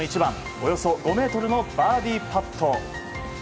およそ５ｍのバーディーパット。